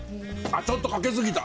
あっちょっとかけすぎた！